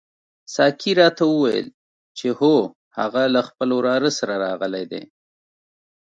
ساقي راته وویل چې هو هغه له خپل وراره سره راغلی دی.